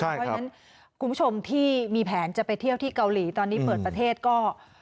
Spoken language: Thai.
เพราะฉะนั้นคุณผู้ชมที่มีแผนจะไปเที่ยวที่เกาหลีตอนนี้เปิดประเทศก็